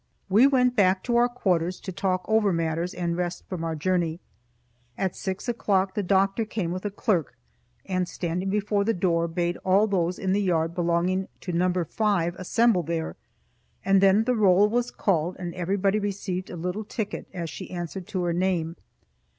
We went back to our quarters to talk over matters and rest from our journey. At six o'clock the doctor came with a clerk, and, standing before the door, bade all those in the yard belonging to Number Five assemble there; and then the roll was called and everybody received a little ticket as she answered to her name.